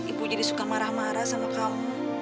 ibu jadi suka marah marah sama kamu